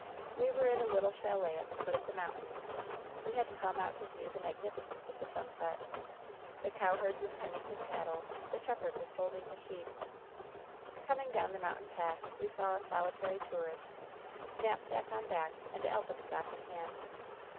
We were in a little chalet at the foot of the mountain. We had come out to view the magnificence of the sunset. The cowherd was pen ning his cattle ; the shepherd was folding his sheep. ; "Coming down the mountain path we saw a solitary tourist, knapsack on back and alpenstock in hand.